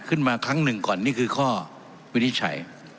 ขึ้นมาครั้งหนึ่งก่อนนี่คือข้อวินิจฉัย